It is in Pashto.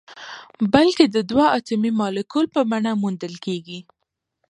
بلکې د دوه اتومي مالیکول په بڼه موندل کیږي.